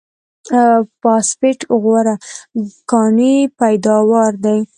فاسفېټ غوره کاني پیداوار دی.